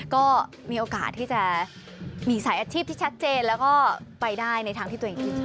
ก็มีโอกาสที่จะมีสายอาชีพที่ชัดเจนแล้วก็ไปได้ในทางที่ตัวเองคิดชอบ